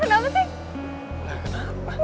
tunggu kenapa sih